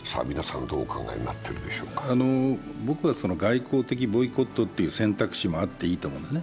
僕は外交的ボイコットという選択肢があってもいいと思うんですね。